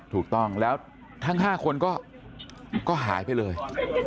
ถูกต้องแล้วทั้ง๕คนก็หายไปเลย